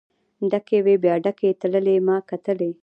ډکې وې بیا ډکې تللې ما کتلی.